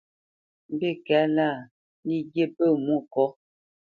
Mbîkɛ̌lâ, lî ghye pə̂ Mwôkɔ̌.